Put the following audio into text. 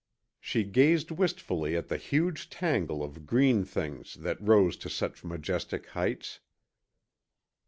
She gazed wistfully at the huge tangle of green things that rose to such majestic heights.